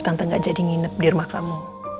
tante gak jadi nginep di rumah kamu